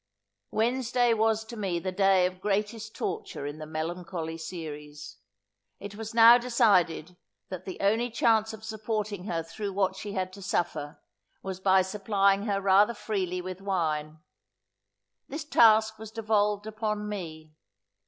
Wednesday was to me the day of greatest torture in the melancholy series. It was now decided that the only chance of supporting her through what she had to suffer, was by supplying her rather freely with wine. This task was devolved upon me.